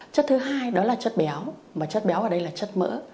chất thứ hai đó là chất béo mà chất béo ở đây là chất mỡ